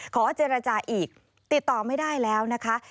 ขอเจรจาอีกติดต่อไม่ได้แล้วนะคะ